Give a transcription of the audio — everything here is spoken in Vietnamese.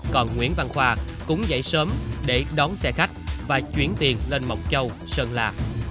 còn nguyễn văn khoa cũng dậy sớm để đón xe khách và chuyển tiền lên mộc châu sơn la